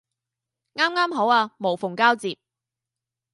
啱啱好啊無縫交接